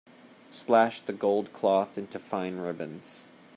Slash the gold cloth into fine ribbons.